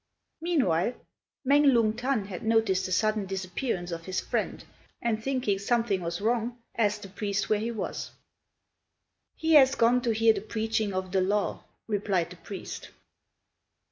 Meanwhile, Mêng Lung t'an had noticed the sudden disappearance of his friend, and thinking something was wrong, asked the priest where he was. "He has gone to hear the preaching of the Law," replied the priest.